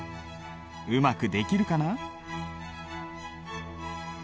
うまくできるかな？